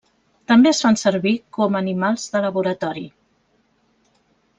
També es fan servir com animals de laboratori.